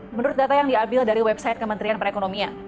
menurut data yang diambil dari website kementerian perekonomian